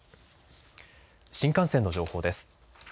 新幹線の情報です。